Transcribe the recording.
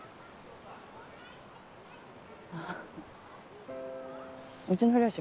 あうちの両親